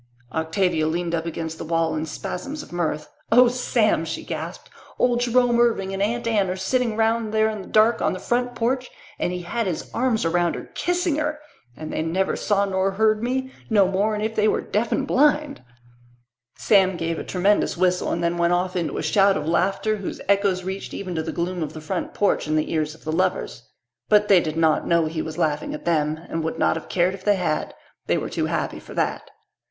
Octavia leaned up against the wall in spasms of mirth. "Oh, Sam," she gasped, "old Jerome Irving and Aunt Anne are sitting round there in the dark on the front porch and he had his arms around her, kissing her! And they never saw nor heard me, no more'n if they were deaf and blind!" Sam gave a tremendous whistle and then went off into a shout of laughter whose echoes reached even to the gloom of the front porch and the ears of the lovers. But they did not know he was laughing at them and would not have cared if they had. They were too happy for that.